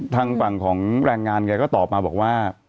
ทางฝั่งของแรงงานแกก็ตอบมา